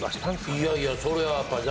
いやいやそれはやっぱり。